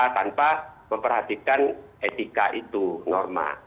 tanpa memperhatikan etika itu norma